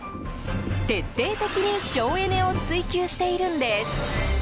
徹底的に省エネを追求しているんです。